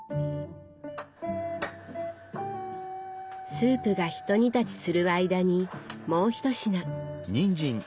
スープがひと煮立ちする間にもう１品。